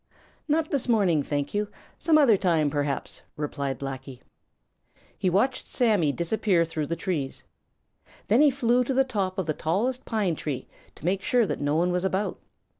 "Not this morning, thank you. Some other time, perhaps," replied Blacky. He watched Sammy disappear through the trees. Then he flew to the top of the tallest pine tree to make sure that no one was about.